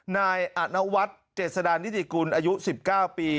นายอนวัฒน์เจษดานิติกุลอายุ๑๙ปี